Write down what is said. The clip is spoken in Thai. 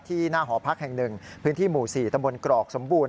หน้าหอพักแห่งหนึ่งพื้นที่หมู่๔ตำบลกรอกสมบูรณ